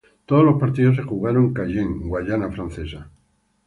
Todos los partidos se jugaron en Cayenne, Guayana Francesa.